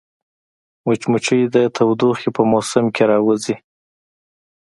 مچمچۍ د تودوخې په موسم کې راووځي